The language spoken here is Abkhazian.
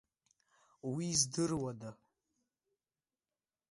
Уи здыруада.